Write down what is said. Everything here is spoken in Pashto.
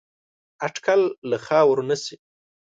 اټکل له خاورو نه شي